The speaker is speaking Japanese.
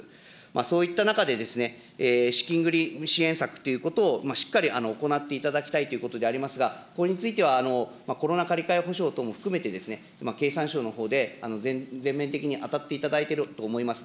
そういった中で、資金繰り支援策ということをしっかり行っていただきたいということでありますが、これについては、コロナ禍りかいほしょうとも含めて、経産省のほうで全面的に当たっていただいていると思います。